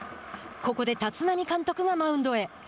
ここで立浪監督がマウンドへ。